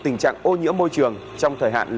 tình trạng ô nhiễm môi trường trong thời hạn là ba tháng